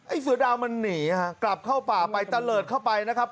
เสือดาวมันหนีฮะกลับเข้าป่าไปตะเลิศเข้าไปนะครับ